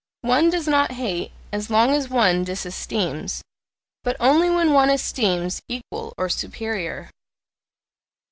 One does not hate as long as one disesteems, but only when one esteems equal or superior.